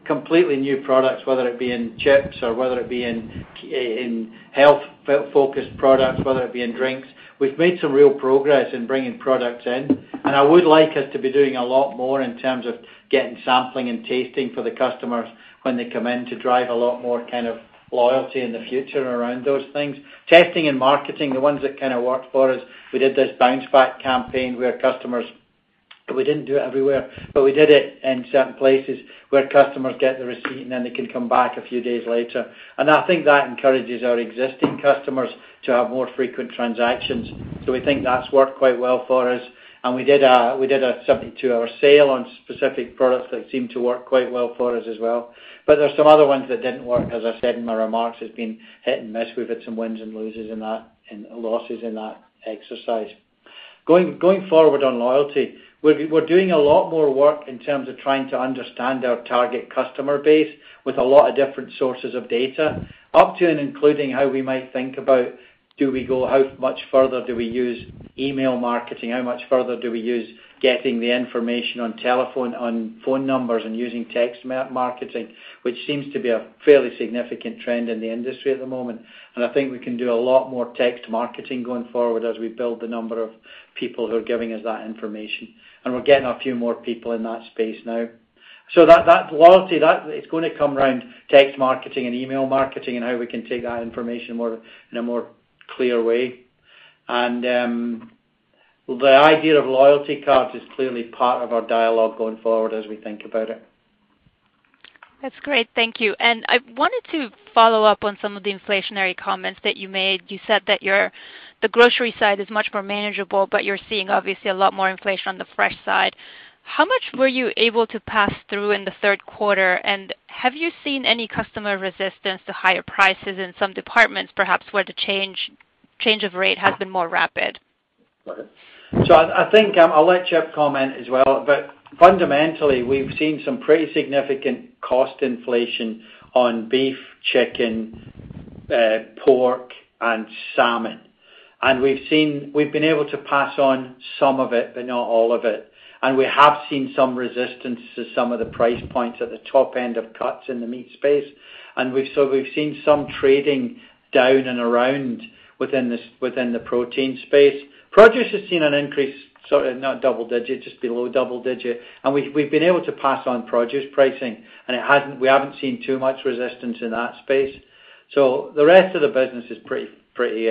completely new products, whether it be in chips or whether it be in health-focused products, whether it be in drinks. We've made some real progress in bringing products in, and I would like us to be doing a lot more in terms of getting sampling and tasting for the customers when they come in to drive a lot more kind of loyalty in the future around those things. Testing and marketing the ones that kind of worked for us, we did this bounce back campaign where customers. We didn't do it everywhere, but we did it in certain places where customers get the receipt, and then they can come back a few days later. I think that encourages our existing customers to have more frequent transactions. We think that's worked quite well for us. We did a 72-hour sale on specific products that seemed to work quite well for us as well. There's some other ones that didn't work, as I said in my remarks, has been hit and miss. We've had some wins and losses in that and losses in that exercise. Going forward on loyalty, we're doing a lot more work in terms of trying to understand our target customer base with a lot of different sources of data, up to and including how we might think about how much further do we use email marketing. How much further do we use getting the information on telephone, on phone numbers and using text marketing, which seems to be a fairly significant trend in the industry at the moment. I think we can do a lot more text marketing going forward as we build the number of people who are giving us that information. We're getting a few more people in that space now. That loyalty is gonna come around text marketing and email marketing and how we can take that information in a more clear way. The idea of loyalty cards is clearly part of our dialogue going forward as we think about it.
That's great. Thank you. I wanted to follow up on some of the inflationary comments that you made. You said that your the grocery side is much more manageable, but you're seeing obviously a lot more inflation on the fresh side. How much were you able to pass through in the third quarter? Have you seen any customer resistance to higher prices in some departments, perhaps where the change of rate has been more rapid?
I think I'll let Chip comment as well. Fundamentally, we've seen some pretty significant cost inflation on beef, chicken, pork, and salmon. We've been able to pass on some of it, but not all of it. We have seen some resistance to some of the price points at the top end of cuts in the meat space. We've seen some trading down and around within the protein space. Produce has seen an increase, sort of not double digit, just below double digit. We've been able to pass on produce pricing, and we haven't seen too much resistance in that space. The rest of the business is pretty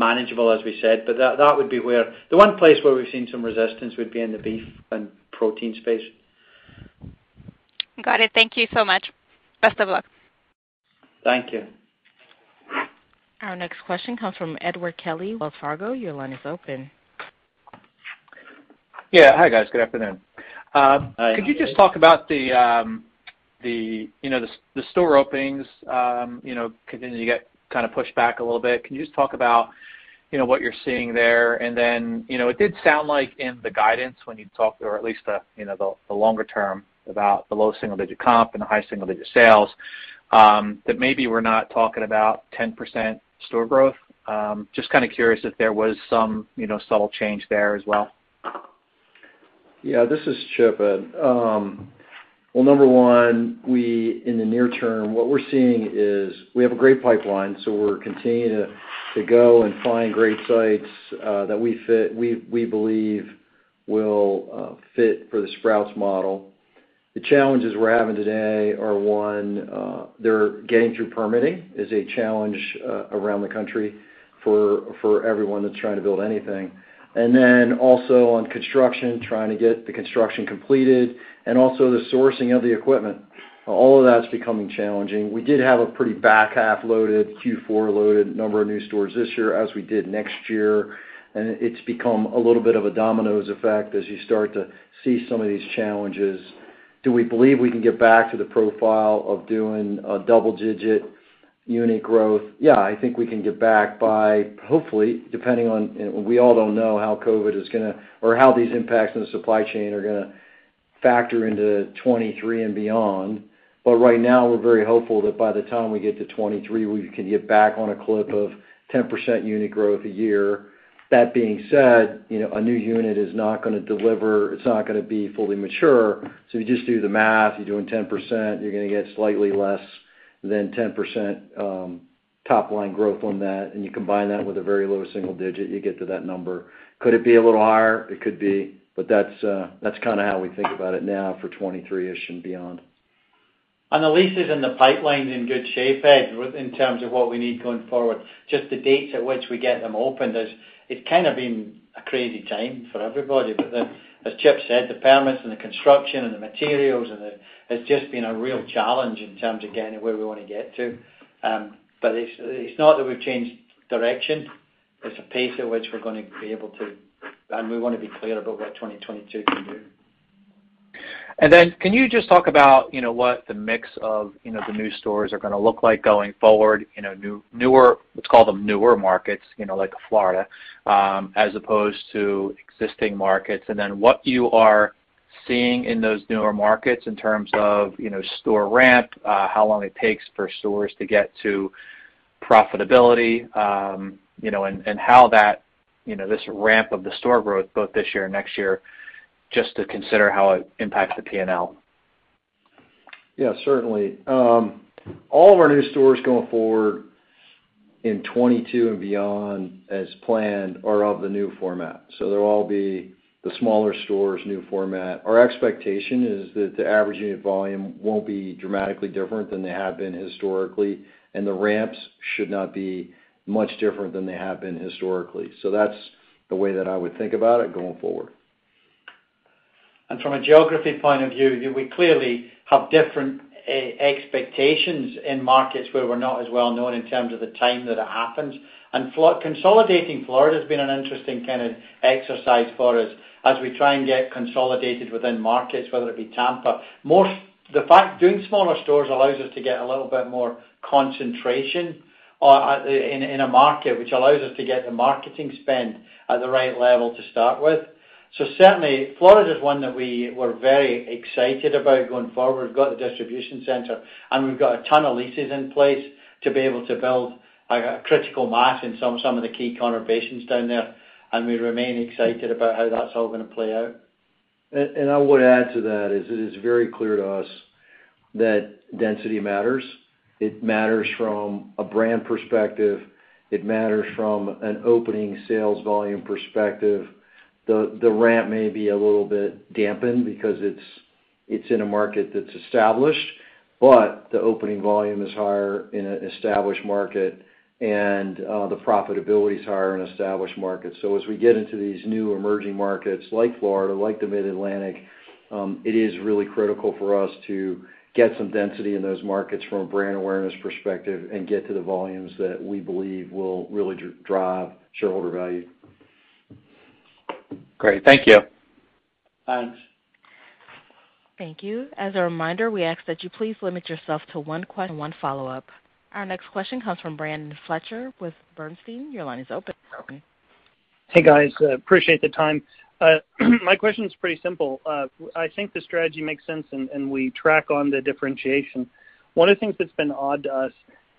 manageable, as we said. That would be where. The one place where we've seen some resistance would be in the beef and protein space.
Got it. Thank you so much. Best of luck.
Thank you.
Our next question comes from Edward Kelly, Wells Fargo. Your line is open.
Yeah. Hi, guys. Good afternoon.
Hi, Edward.
Could you just talk about the, you know, the store openings, you know, continuing to get kind of pushed back a little bit? Can you just talk about, you know, what you're seeing there? You know, it did sound like in the guidance when you talked, or at least the, you know, the longer term about the low single-digit comp and the high single-digit sales, that maybe we're not talking about 10% store growth. Just kinda curious if there was some, you know, subtle change there as well.
Yeah, this is Chip. Well, number one, in the near term, what we're seeing is we have a great pipeline, so we're continuing to go and find great sites that we believe will fit for the Sprouts model. The challenges we're having today are, one, they're getting through permitting is a challenge around the country for everyone that's trying to build anything. Also on construction, trying to get the construction completed and also the sourcing of the equipment. All of that's becoming challenging. We did have a pretty back half loaded, Q4 loaded number of new stores this year, as we did next year. It's become a little bit of a domino effect as you start to see some of these challenges. Do we believe we can get back to the profile of doing a double-digit unit growth? Yeah, I think we can get back by, hopefully, depending on, you know, we all don't know how COVID is gonna or how these impacts in the supply chain are gonna factor into 2023 and beyond. Right now, we're very hopeful that by the time we get to 2023, we can get back on a clip of 10% unit growth a year. That being said, you know, a new unit is not gonna deliver, it's not gonna be fully mature. You just do the math, you're doing 10%, you're gonna get slightly less than 10%, top line growth on that. You combine that with a very low single digit, you get to that number. Could it be a little higher? It could be, but that's kinda how we think about it now for 2023-ish and beyond.
The leases and the pipeline's in good shape, Ed, with in terms of what we need going forward. Just the dates at which we get them opened. It's kinda been a crazy time for everybody. As Chip said, the permits and the construction and the materials. It's just been a real challenge in terms of getting to where we wanna get to. It's not that we've changed direction. It's the pace at which we're gonna be able to. We wanna be clear about what 2022 can do.
Can you just talk about, you know, what the mix of, you know, the new stores are gonna look like going forward, you know, newer markets, you know, like Florida, as opposed to existing markets? What you are seeing in those newer markets in terms of, you know, store ramp, how long it takes for stores to get to profitability, you know, and how that, you know, this ramp of the store growth both this year and next year, just to consider how it impacts the P&L?
Yeah, certainly. All of our new stores going forward in 2022 and beyond as planned are of the new format. They'll all be the smaller stores, new format. Our expectation is that the average unit volume won't be dramatically different than they have been historically, and the ramps should not be much different than they have been historically. That's the way that I would think about it going forward.
From a geography point of view, we clearly have different expectations in markets where we're not as well known in terms of the time that it happens. Consolidating Florida has been an interesting kind of exercise for us as we try and get consolidated within markets, whether it be Tampa. The fact doing smaller stores allows us to get a little bit more concentration in a market, which allows us to get the marketing spend at the right level to start with. Certainly, Florida is one that we were very excited about going forward. We've got the distribution center, and we've got a ton of leases in place to be able to build a critical mass in some of the key conurbations down there. We remain excited about how that's all gonna play out.
I would add to that is it is very clear to us that density matters. It matters from a brand perspective. It matters from an opening sales volume perspective. The ramp may be a little bit dampened because it's in a market that's established, but the opening volume is higher in an established market, and the profitability is higher in established markets. As we get into these new emerging markets like Florida, like the Mid-Atlantic, it is really critical for us to get some density in those markets from a brand awareness perspective and get to the volumes that we believe will really drive shareholder value.
Great. Thank you.
Thanks.
Thank you. As a reminder, we ask that you please limit yourself to one question, one follow-up. Our next question comes from Brandon Fletcher with Bernstein. Your line is open.
Hey, guys. Appreciate the time. My question is pretty simple. I think the strategy makes sense and we track on the differentiation. One of the things that's been odd to us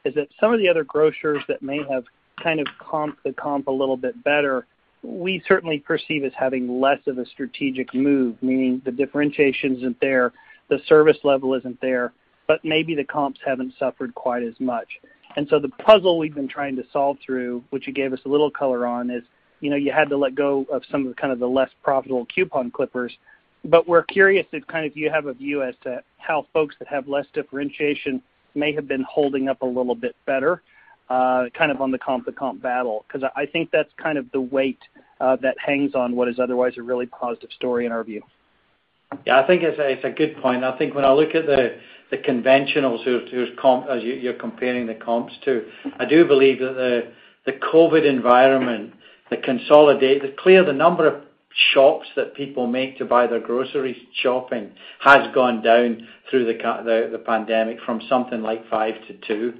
is that some of the other grocers that may have kind of comped the comp a little bit better, we certainly perceive as having less of a strategic move, meaning the differentiation isn't there, the service level isn't there, but maybe the comps haven't suffered quite as much. The puzzle we've been trying to solve through, which you gave us a little color on, is, you know, you had to let go of some of the kind of the less profitable coupon clippers. We're curious if kind of you have a view as to how folks that have less differentiation may have been holding up a little bit better, kind of on the comp to comp battle, because I think that's kind of the weight that hangs on what is otherwise a really positive story in our view.
Yeah, I think it's a good point. I think when I look at the conventionals whose comps you're comparing the comps to, I do believe that the COVID environment, clearly, the number of stops that people make to buy their groceries has gone down through the pandemic from something like five to two.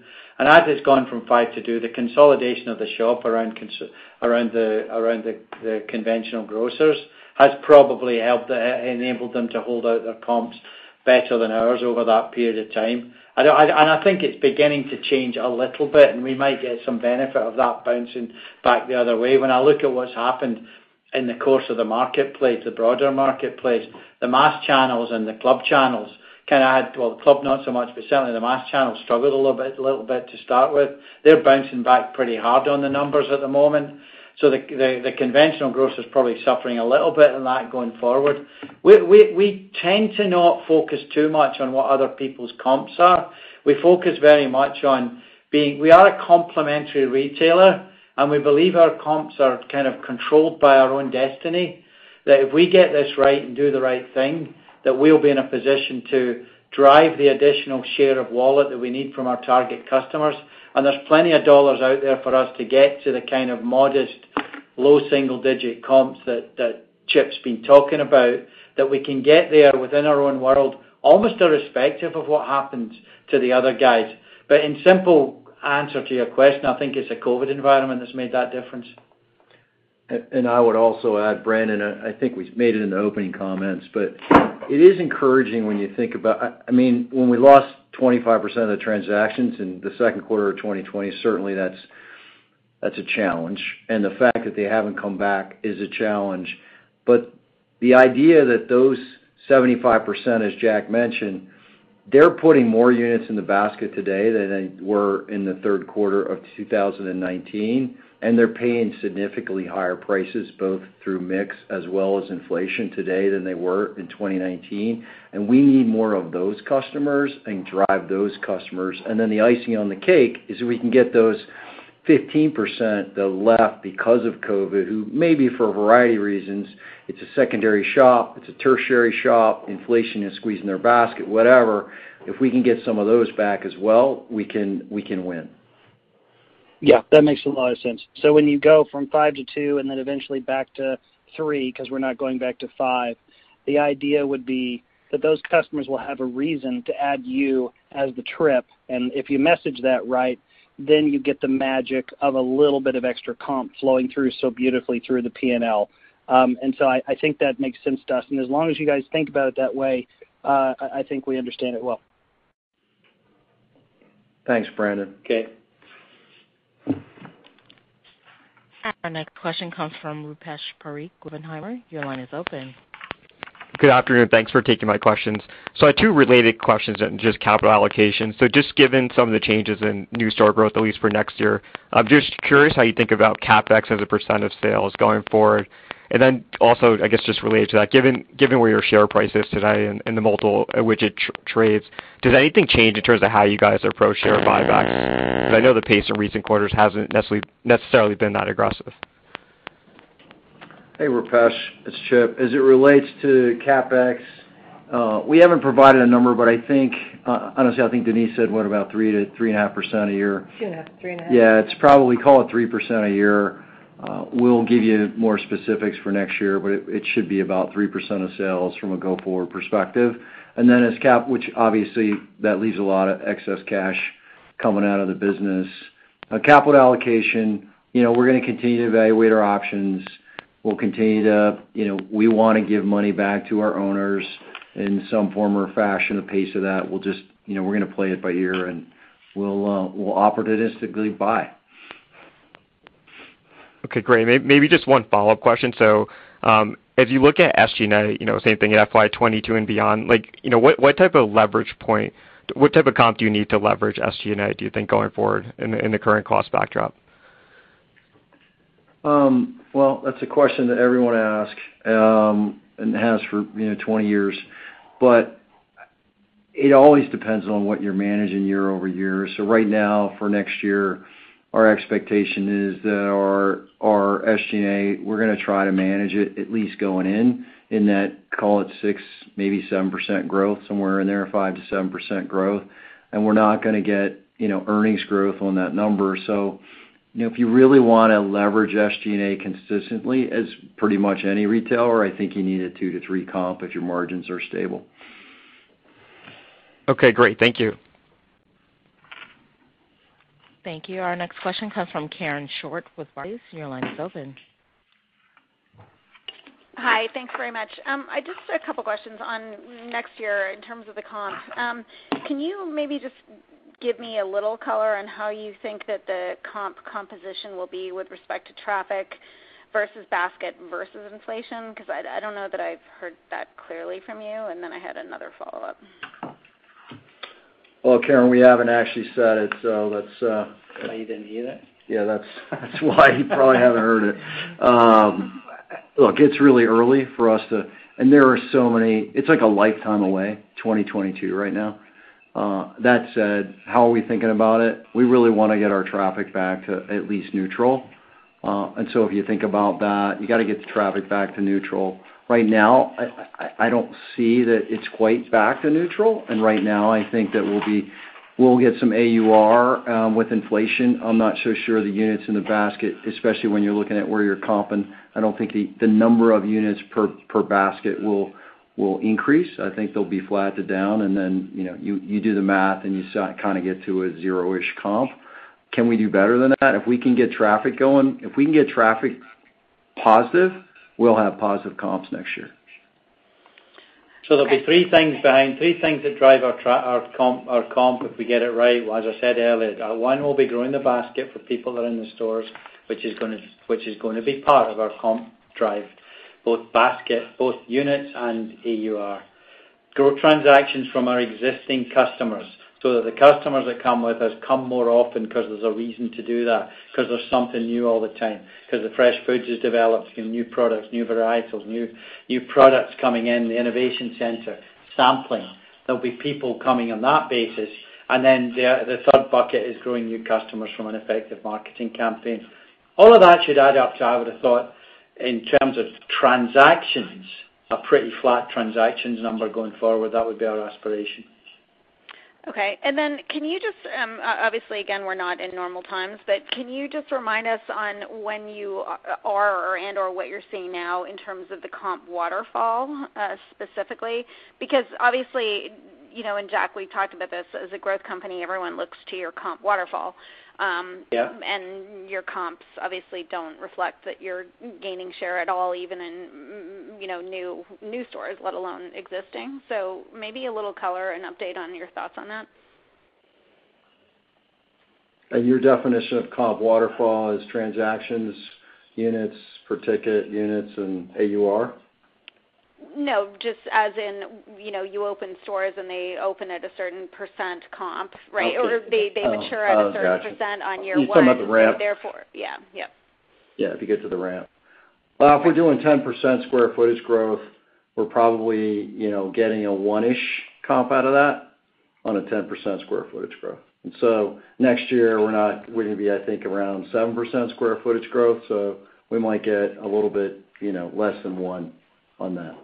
As it's gone from five to two, the consolidation of the shopping around the conventional grocers has probably helped enable them to hold up their comps better than ours over that period of time. I think it's beginning to change a little bit, and we might get some benefit of that bouncing back the other way. When I look at what's happened in the course of the marketplace, the broader marketplace, the mass channels and the club channels. Well, the club not so much, but certainly the mass channel struggled a little bit to start with. They're bouncing back pretty hard on the numbers at the moment. The conventional grocer is probably suffering a little bit in that going forward. We tend to not focus too much on what other people's comps are. We focus very much on being a complementary retailer, and we believe our comps are kind of controlled by our own destiny, that if we get this right and do the right thing, that we'll be in a position to drive the additional share of wallet that we need from our target customers. There's plenty of dollars out there for us to get to the kind of modest, low single-digit comps that Chip's been talking about, that we can get there within our own world, almost irrespective of what happens to the other guys. In simple answer to your question, I think it's the COVID environment that's made that difference.
I would also add, Brandon, I think we made it in the opening comments, but it is encouraging when you think about, I mean, when we lost 25% of the transactions in the second quarter of 2020, certainly that's a challenge. The fact that they haven't come back is a challenge. The idea that those 75%, as Jack mentioned, they're putting more units in the basket today than they were in the third quarter of 2019, and they're paying significantly higher prices, both through mix as well as inflation today than they were in 2019. We need more of those customers and drive those customers. The icing on the cake is if we can get those 15% that left because of COVID, who may be for a variety of reasons, it's a secondary shop, it's a tertiary shop, inflation is squeezing their basket, whatever. If we can get some of those back as well, we can win.
Yeah, that makes a lot of sense. When you go from five to two, and then eventually back to three, 'cause we're not going back to five, the idea would be that those customers will have a reason to add you as the trip. If you message that right, then you get the magic of a little bit of extra comp flowing through so beautifully through the P&L. I think that makes sense to us. As long as you guys think about it that way, I think we understand it well.
Thanks, Brandon.
Okay.
Our next question comes from Rupesh Parikh, Oppenheimer. Your line is open.
Good afternoon. Thanks for taking my questions. I have two related questions in just capital allocation. Just given some of the changes in new store growth, at least for next year, I'm just curious how you think about CapEx as a percentage of sales going forward. Then also, I guess, just related to that, given where your share price is today and the multiple at which it trades, does anything change in terms of how you guys approach share buybacks? Because I know the pace in recent quarters hasn't necessarily been that aggressive.
Hey, Rupesh. It's Chip. As it relates to CapEx, we haven't provided a number, but I think, honestly, Denise said, what about 3%-3.5% a year?
Two and a half to three and a half.
Yeah. It's probably, call it 3% a year. We'll give you more specifics for next year, but it should be about 3% of sales from a go-forward perspective. CapEx obviously leaves a lot of excess cash coming out of the business. Capital allocation, you know, we're gonna continue to evaluate our options. We'll continue to, you know, we wanna give money back to our owners in some form or fashion. The pace of that, we'll just, you know, we're gonna play it by ear and we'll opportunistically buy.
Okay, great. Maybe just one follow-up question. If you look at SG&A, you know, same thing in FY 2022 and beyond, like, you know, what type of comp do you need to leverage SG&A, do you think, going forward in the current cost backdrop?
Well, that's a question that everyone asks and has for, you know, 20 years. It always depends on what you're managing year-over-year. Right now, for next year, our expectation is that our SG&A, we're gonna try to manage it at least going in that, call it 6%, maybe 7% growth, somewhere in there, 5%-7% growth. We're not gonna get, you know, earnings growth on that number. You know, if you really wanna leverage SG&A consistently, as pretty much any retailer, I think you need a 2%-3% comp if your margins are stable.
Okay, great. Thank you.
Thank you. Our next question comes from Karen Short with Barclays. Your line is open.
Hi. Thanks very much. I just have a couple questions on next year in terms of the comps. Can you maybe just give me a little color on how you think that the comp composition will be with respect to traffic versus basket versus inflation? 'Cause I don't know that I've heard that clearly from you, and then I had another follow-up.
Well, Karen, we haven't actually said it, so let's.
You didn't hear that?
Yeah, that's why you probably haven't heard it. Look, it's really early for us to. There are so many. It's like a lifetime away, 2022 right now. That said, how are we thinking about it? We really wanna get our traffic back to at least neutral. If you think about that, you gotta get the traffic back to neutral. Right now, I don't see that it's quite back to neutral, and right now I think that we'll get some AUR with inflation. I'm not so sure the units in the basket, especially when you're looking at where you're comping. I don't think the number of units per basket will increase. I think they'll be flat to down and then, you know, you do the math and you kind of get to a zero-ish comp. Can we do better than that? If we can get traffic going, if we can get traffic positive, we'll have positive comps next year.
There'll be three things that drive our comp if we get it right. As I said earlier, one will be growing the basket for people that are in the stores, which is gonna be part of our comp drive, both basket and units and AUR. Grow transactions from our existing customers, so that the customers that come with us come more often 'cause there's a reason to do that, 'cause there's something new all the time, 'cause the fresh foods is developed in new products, new varietals, new products coming in, the innovation center, sampling. There'll be people coming on that basis. Then the third bucket is growing new customers from an effective marketing campaign. All of that should add up to, I would've thought, in terms of transactions, a pretty flat transactions number going forward. That would be our aspiration.
Okay. Can you just, obviously again, we're not in normal times, but can you just remind us on when you are and/or what you're seeing now in terms of the comp waterfall, specifically? Because obviously, you know, and Jack, we talked about this. As a growth company, everyone looks to your comp waterfall.
Yeah.
Your comps obviously don't reflect that you're gaining share at all, even in, you know, new stores, let alone existing. Maybe a little color and update on your thoughts on that.
Your definition of comp waterfall is transactions, units per ticket, units and AUR?
No, just as in, you know, you open stores and they open at a certain percentage comp, right? Or they mature at a certain percentage on year one.
You're talking about the ramp.
Yeah. Yeah.
Yeah, if you get to the ramp. If we're doing 10% square footage growth, we're probably, you know, getting a one-ish comp out of that on a 10% square footage growth. Next year we're gonna be, I think, around 7% square footage growth, so we might get a little bit, you know, less than one on that.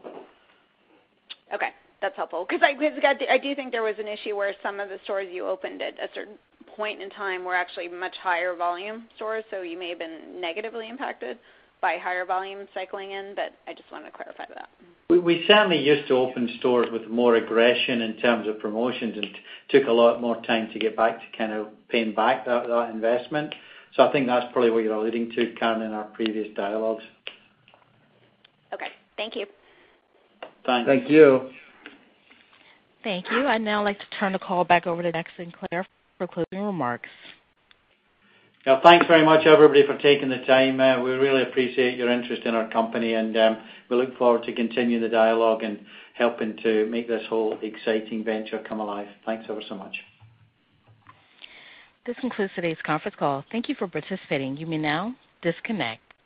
Okay, that's helpful. 'Cause I do think there was an issue where some of the stores you opened at a certain point in time were actually much higher volume stores, so you may have been negatively impacted by higher volume cycling in. I just wanted to clarify that.
We certainly used to open stores with more aggression in terms of promotions and took a lot more time to get back to kind of paying back that investment. I think that's probably what you're alluding to, Karen, in our previous dialogues.
Okay. Thank you.
Thanks.
Thank you.
Thank you. I'd now like to turn the call back over to Jack Sinclair for closing remarks.
Yeah. Thanks very much, everybody, for taking the time. We really appreciate your interest in our company, and we look forward to continuing the dialogue and helping to make this whole exciting venture come alive. Thanks ever so much.
This concludes today's conference call. Thank you for participating. You may now disconnect.